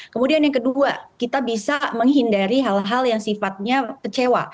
kemudian yang kedua kita bisa menghindari hal hal yang sifatnya kecewa